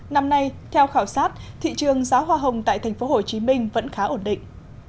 năm nay theo khảo sát thị trường giá hoa hồng tại tp hcm vẫn khá ổn định